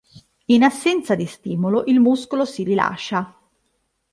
In assenza di stimolo il muscolo si rilascia.